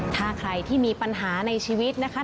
ถ้าใครที่มีปัญหาในชีวิตนะคะ